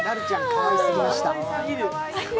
かわいすぎました。